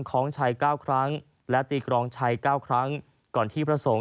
ของชัย๙ครั้งและตีกรองชัย๙ครั้งก่อนที่พระสงฆ์